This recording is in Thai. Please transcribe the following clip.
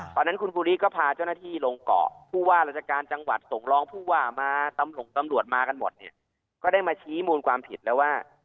ตอนนั้นคุณภูรีไปรับความผิดแล้วว่า